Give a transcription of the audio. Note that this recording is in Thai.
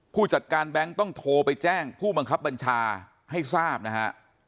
ผู้จัดการแบงค์ต้องโทรไปแจ้งผู้บังคับบัญชาให้ทราบนะฮะ